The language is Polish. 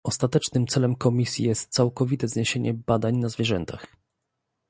Ostatecznym celem Komisji jest całkowite zniesienie badań na zwierzętach